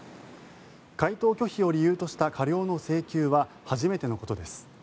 回答拒否を理由とした過料の請求は初めてのことです。